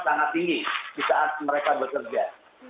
sangat tinggi di saat mereka bekerja